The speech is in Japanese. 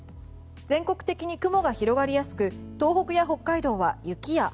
全国的に雲が広がりやすく東北や北海道は雪や雨。